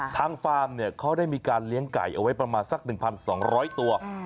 ทางฟาร์มเขาได้มีการเลี้ยงไก่เอาไว้สัก๑๒๐๐ตัว